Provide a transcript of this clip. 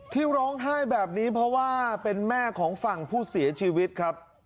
ที่ร้องไห้แบบนี้เพราะว่าเป็นแม่ของฝั่งผู้เสียชีวิตครับ